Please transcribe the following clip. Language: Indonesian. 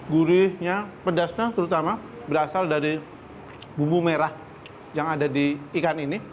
gurihnya pedasnya terutama berasal dari bumbu merah yang ada di ikan ini